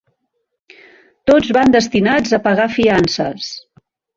Tots van destinats a pagar fiances.